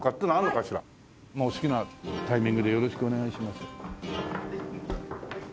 もう好きなタイミングでよろしくお願いします。